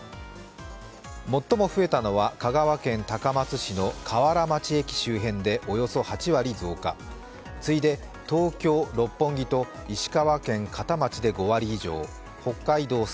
最も増えたのは香川県高松市の瓦町駅周辺でおよそ８割増加、次いで、東京、六本木と石川県片町で５割以上、北海道